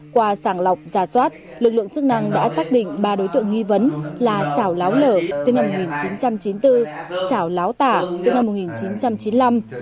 qua sàng lọc giả soát lực lượng chức năng đã xác định ba đối tượng nghi vấn là trảo láo lở sinh năm một nghìn chín trăm chín mươi bốn trảo láo tả sinh năm một nghìn chín trăm chín mươi năm